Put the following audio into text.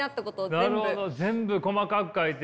なるほど全部細かく書いて。